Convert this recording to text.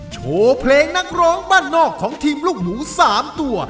โชว์เพลงนักร้องบ้านนอกของทีมลูกหมู๓ตัว